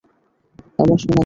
আমার সোনা মেয়ে!